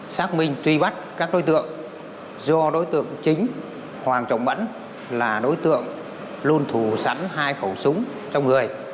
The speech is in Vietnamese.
xác minh truy bắt các đối tượng do đối tượng chính hoàng trọng mẫn là đối tượng luôn thù sẵn hai khẩu súng trong người